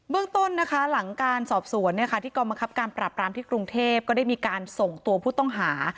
เบื้องต้นนะคะหลังการสอบสวนในการปรับปรามที่กรุงเทพก็ได้มีการส่งตัวผู้ต้องหา